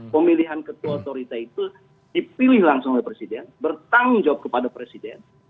pemilihan ketua otorita itu dipilih langsung oleh presiden bertanggung jawab kepada presiden